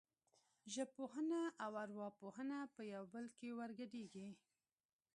ژبپوهنه او ارواپوهنه په یو بل کې ورګډېږي